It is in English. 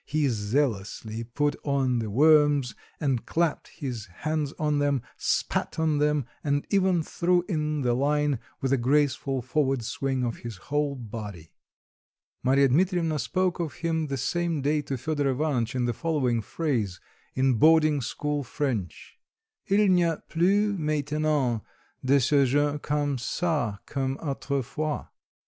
He zealously put on the worms, and clapped his hand on them, spat on them and even threw in the line with a graceful forward swing of his whole body. Marya Dmitrievna spoke of him the same day to Fedor Ivanitch in the following phrase, in boarding school French: "Il n'y a plus maintenant de ces gens comme ça, comme autrefois."